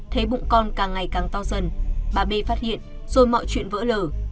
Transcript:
thấy bụng con càng ngày càng to dần bà b phát hiện rồi mọi chuyện vỡ lở